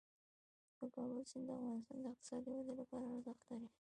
د کابل سیند د افغانستان د اقتصادي ودې لپاره ارزښت لري.